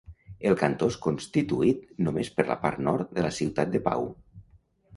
El cantó és constituït només per la part nord de la ciutat de Pau.